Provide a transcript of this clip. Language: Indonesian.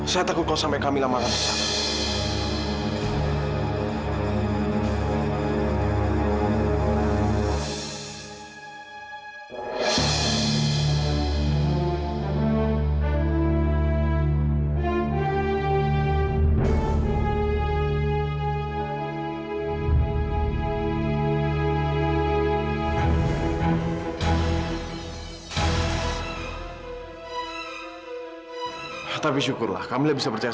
saya takut kalau sampai kamila menganggap saya